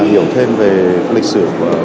hiểu thêm về lịch sử